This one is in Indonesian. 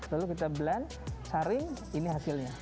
lalu kita blend saring ini hasilnya